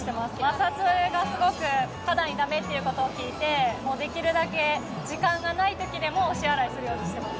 摩擦がすごく肌にダメっていうことを聞いてもうできるだけ時間がないときでも押し洗いするようにしてます